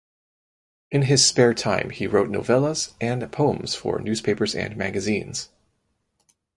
In his spare time he wrote novellas and poems for newspapers and magazines.